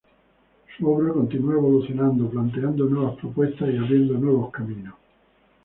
Su obra continúa evolucionando, planteando nuevas propuestas y abriendo nuevos caminos.